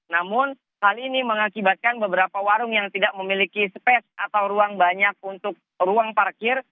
namun hal ini mengakibatkan beberapa warung yang tidak memiliki space atau ruang banyak untuk ruang parkir